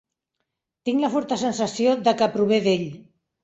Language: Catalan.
Tinc la forta sensació de que prové d'ell.